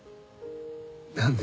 何で？